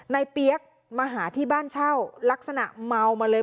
เปี๊ยกมาหาที่บ้านเช่าลักษณะเมามาเลย